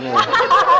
ngumbang tau gak kak